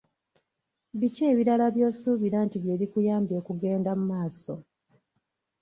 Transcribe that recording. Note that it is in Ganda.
Biki ebirala by'osuubira nti bye bikuyambye okugenda mu maaso?